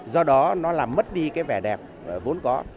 do đó nó làm mất đi cái vẻ đẹp vốn có